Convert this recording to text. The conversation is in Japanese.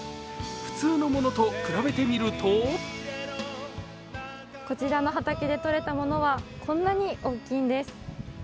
普通のものと比べてみるとこちらの畑でとれたものはこんなに大きいんです。